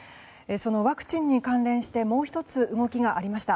そのワクチンに関連してもう１つ、動きがありました。